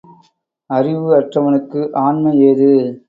அறிவு அற்றவனுக்கு ஆண்மை ஏது?